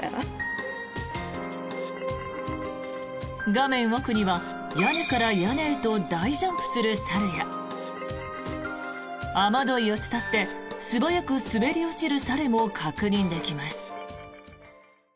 画面奥には屋根から屋根へと大ジャンプする猿や雨どいを伝って素早く滑り落ちる猿も確認できます。